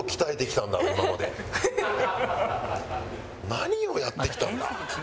何をやってきたんだ？